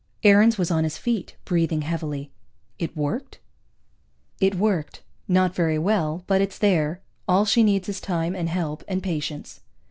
Aarons was on his feet, breathing heavily. "It worked?" "It worked. Not very well, but it's there. All she needs is time, and help, and patience."